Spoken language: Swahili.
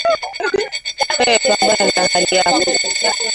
Wewe pambana na hali yako